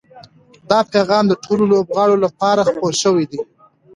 دا پیغام د ټولو لوبغاړو لپاره خپور شوی دی.